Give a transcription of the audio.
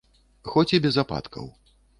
Хоць і без ападкаў.